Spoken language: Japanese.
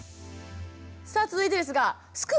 さあ続いてですがすく